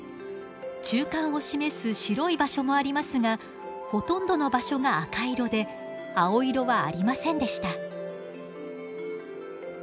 中間を示す白い場所もありますがほとんどの場所が赤色で青色はありませんでした。